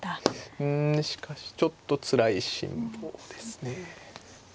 うんしかしちょっとつらい辛抱ですね。